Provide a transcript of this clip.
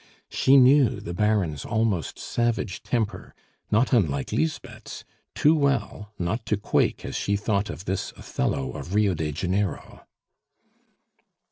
She knew the Baron's almost savage temper not unlike Lisbeth's too well not to quake as she thought of this Othello of Rio de Janeiro.